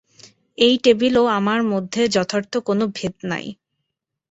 এই টেবিল ও আমার মধ্যে যথার্থ কোন ভেদ নাই।